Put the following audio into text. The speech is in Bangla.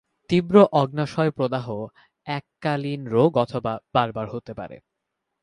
তীব্র অগ্ন্যাশয় প্রদাহ এককালীন রোগ অথবা বারবার হতে পারে।